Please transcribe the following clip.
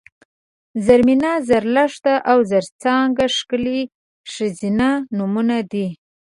زرمېنه ، زرلښته او زرڅانګه ښکلي ښځینه نومونه دي